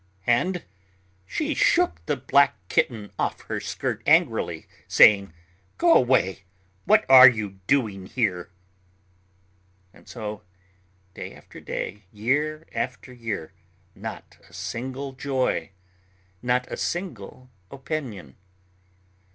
And she shook the black kitten off her skirt angrily, saying: "Go away! What are you doing here?" And so day after day, year after year not a single joy, not a single opinion.